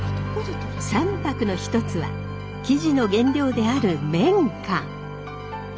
三白の一つは生地の原料である綿花。